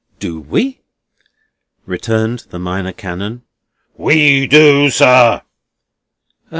"Do we?" returned the Minor Canon. "We do, sir."